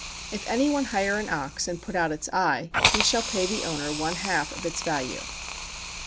If any one hire an ox, and put out its eye, he shall pay the owner one half of its value.